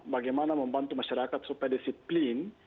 bagaimana membantu masyarakat supaya disiplin